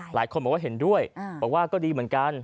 หลายคนบอกว่าเห็นด้วยบอกว่าก็ดีเหมือนกัน